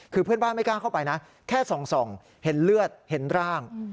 คือเพื่อนบ้านไม่กล้าเข้าไปนะแค่ส่องเห็นเลือดเห็นร่าง